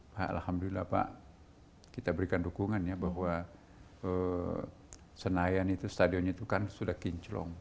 pak alhamdulillah pak kita berikan dukungan ya bahwa senayan itu stadionnya itu kan sudah kinclong